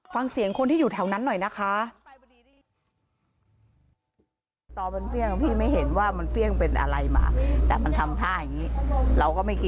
ฟังเสียงคนที่อยู่แถวนั้นหน่อยนะคะ